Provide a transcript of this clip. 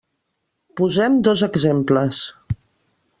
Posem dos exemples.